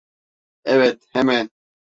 Evet, hemen.